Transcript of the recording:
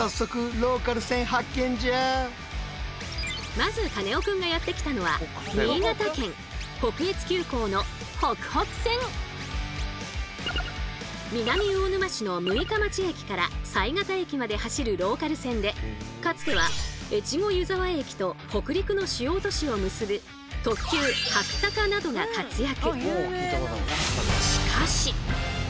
まずカネオくんがやって来たのは南魚沼市の六日町駅から犀潟駅まで走るローカル線でかつては越後湯沢駅と北陸の主要都市を結ぶ特急はくたかなどが活躍。